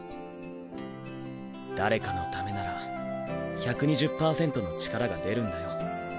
誰かのためなら１２０％の力が出るんだよ